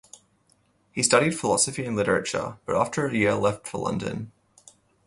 He studied philosophy and literature, but after a year left for London.